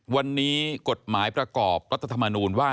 วันนี้กฎหมายประกอบรัฐธรรมนูญว่า